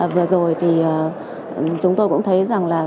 vừa rồi thì chúng tôi cũng thấy rằng là